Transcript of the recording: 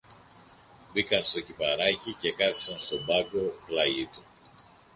Μπήκαν στο κηπαράκι και κάθισαν στον μπάγκο πλάγι του.